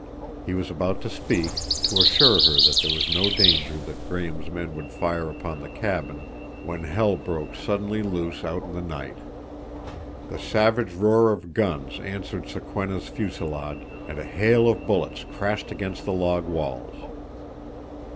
He was about to speak, to assure her there was no danger that Graham's men would fire upon the cabin—when hell broke suddenly loose out in the night. The savage roar of guns answered Sokwenna's fusillade, and a hail of bullets crashed against the log walls.